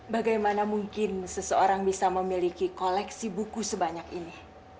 bagaimana mungkin seseorang bisa memiliki koleksi buku sebanyak ini